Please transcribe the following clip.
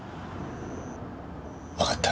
わかった。